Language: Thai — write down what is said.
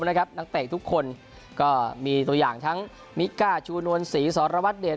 นักเตะทุกคนก็มีตัวอย่างทั้งมิก้าชูนวลศรีสรวัตรเดช